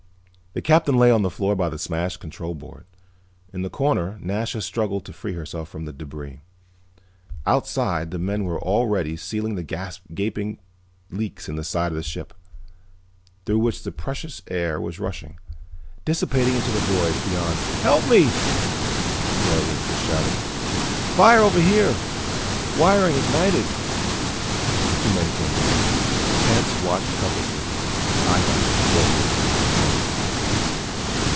The Captain lay on the floor by the smashed control board. In the corner Nasha struggled to free herself from the debris. Outside the men were already sealing the gaping leaks in the side of the ship, through which the precious air was rushing, dissipating into the void beyond. "Help me!" Dorle was shouting. "Fire over here, wiring ignited." Two men came running. Tance watched helplessly, his eyeglasses broken and bent.